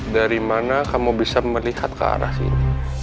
dari mana kamu bisa melihat ke arah sini